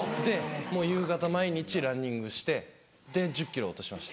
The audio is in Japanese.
もう夕方毎日ランニングして１０ｋｇ落としました。